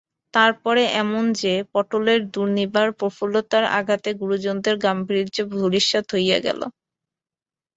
তার পরে এমন যে, পটলের দুর্নিবার প্রফুল্লতার আঘাতে গুরুজনদের গাম্ভীর্য ধূলিসাৎ হইয়া গেল।